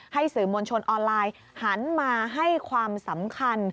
สื่อมวลชนออนไลน์หันมาให้ความสำคัญ